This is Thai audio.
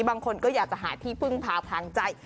บางคนก็อยากจะหาที่พึ่งพาทางใจ